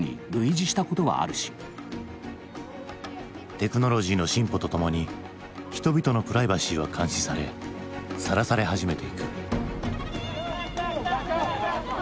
テクノロジーの進歩とともに人々のプライバシーは監視されさらされ始めていく。